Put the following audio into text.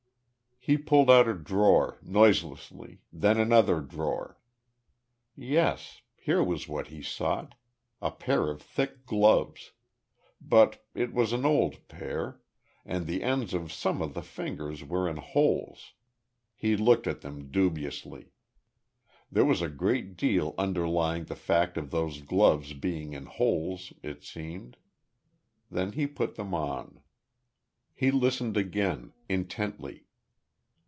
He pulled out a drawer noiselessly, then another drawer. Yes here was what he sought a pair of thick gloves; but it was an old pair, and the ends of some of the fingers were in holes. He looked at them dubiously. There was a great deal underlying the fact of those gloves being in holes, it seemed. Then he put them on. He listened again intently.